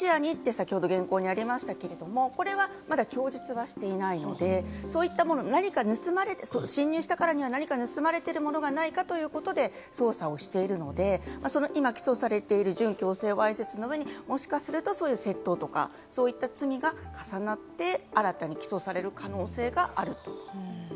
先ほど原稿にありましたけど、これはまだ供述はしていないので、そういったもの、何か盗まれているものがないかということで、捜査をしているので、今、起訴されている準強制わいせつの上に、もしかすると窃盗とかそういった罪が重なって新たに起訴される可能性がある。